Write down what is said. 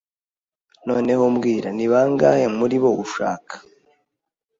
Noneho mbwira, ni bangahe muri bo ushaka?